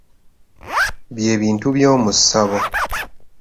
Bye bintu by'omu ssabo.